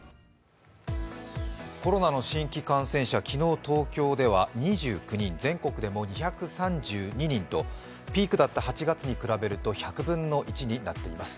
コロナの新規感染者、昨日と今日では２９人全国でも２３２人とピークだった８月に比べると１００分の１になっています。